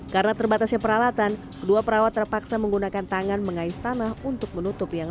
karena terbatasnya peralatan dua perawat terpaksa menggunakan tangan mengais tanah untuk menutup yang